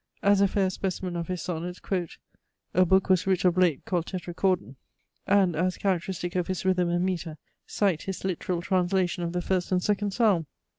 As a fair specimen of his Sonnets, quote "A Book was writ of late called Tetrachordon;" and, as characteristic of his rhythm and metre, cite his literal translation of the first and second Psalm!